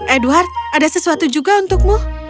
edward ada sesuatu juga untukmu